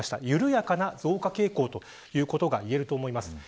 緩やかな増加傾向ということが言えると思います。